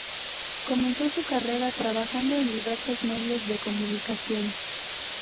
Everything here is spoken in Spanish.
Comenzó su carrera trabajando en diversos medios de comunicación.